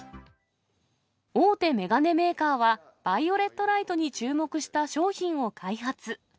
大手眼鏡メーカーは、バイオレットライトに注目した商品を開発。